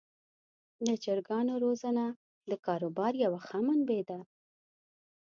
د چرګانو روزنه د کاروبار یوه ښه منبع ده.